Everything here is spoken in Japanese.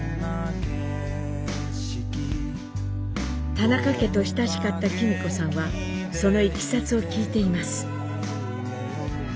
田中家と親しかった公子さんはそのいきさつを聞いています。